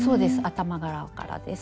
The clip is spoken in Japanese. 頭側からです。